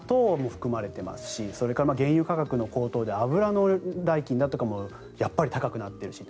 これ、砂糖も含まれていますしそれから原油価格の高騰で油の代金とかもやっぱり高くなっている。